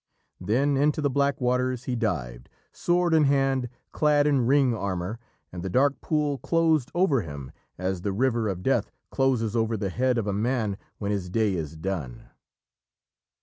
Then into the black waters he dived, sword in hand, clad in ring armour, and the dark pool closed over him as the river of Death closes over the head of a man when his day is done.